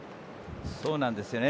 そうなんですよね。